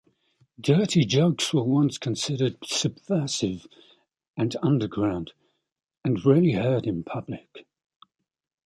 Dirty jokes were once considered subversive and underground, and rarely heard in public.